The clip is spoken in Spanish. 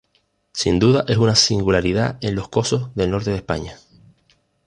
Sin duda es una singularidad en los cosos del norte de España.